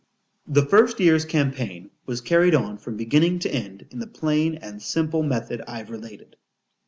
The first year's campaign was carried on from beginning to end, in the plain and simple method I've related.